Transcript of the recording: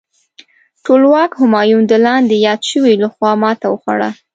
ټولواک همایون د لاندې یاد شویو لخوا ماته وخوړه.